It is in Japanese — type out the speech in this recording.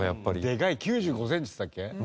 でかい９５センチっつったっけ？